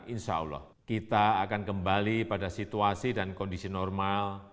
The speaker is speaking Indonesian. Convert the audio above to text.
insyaallah kita akan kembali pada situasi dan kondisi normal